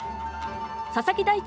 佐々木大地